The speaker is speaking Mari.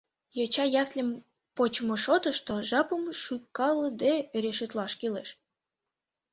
— Йоча ясльым почмо шотышто жапым шуйкалыде решитлаш кӱлеш.